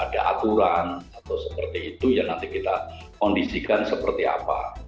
ada aturan atau seperti itu ya nanti kita kondisikan seperti apa